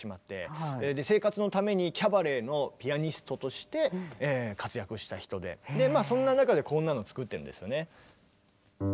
生活のためにキャバレーのピアニストとして活躍した人でそんな中でこんなの作ってるんですよね。